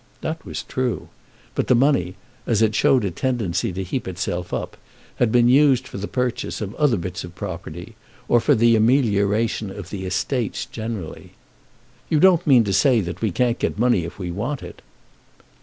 That was true. But the money, as it showed a tendency to heap itself up, had been used for the purchase of other bits of property, or for the amelioration of the estates generally. "You don't mean to say that we can't get money if we want it!"